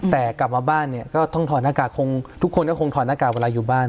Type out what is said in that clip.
แต่กลับมาบ้านเนี่ยทุกคนก็คงถ่อนากาศเวลาอยู่บ้าน